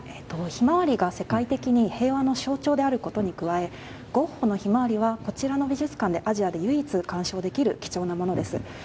「ひまわり」が世界的に平和の象徴であることに加えゴッホの「ひまわり」はこちらの美術館でアジアで唯一鑑賞できる貴重なものです。